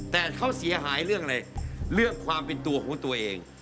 แต่เขาเสียหายเรื่องอะไรเรื่องความเป็นตัวของตัวเอง